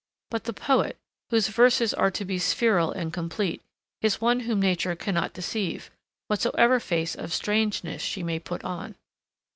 But the poet, whose verses are to be spheral and complete, is one whom Nature cannot deceive, whatsoever face of strangeness she may put on.